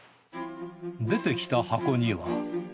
出てきた箱には。